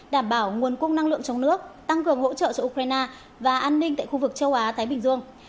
đảm bảo nguồn cung năng lượng trong nước tăng cường hỗ trợ cho ukraine và an ninh tại khu vực châu á thái bình dương